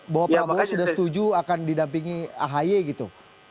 bahwa prabowo sudah setuju akan didampingi ahy gitu